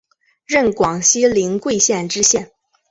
任广西临桂县知县。